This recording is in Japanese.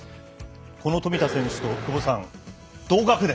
この富田選手と久保さん同学年。